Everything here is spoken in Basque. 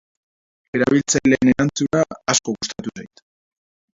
Erabiltzaileen erantzuna asko gustatu zait.